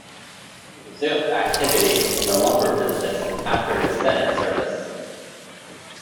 He resumed activity in the lumber business after his senate service.